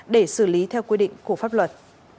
để xử lý theo quy định của pháp luật